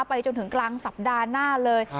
ไปจนถึงกลางสัปดาห์หน้าเลย